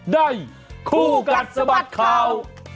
ได้หู้กัดสมัครเขา